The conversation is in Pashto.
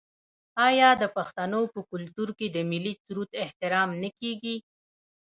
آیا د پښتنو په کلتور کې د ملي سرود احترام نه کیږي؟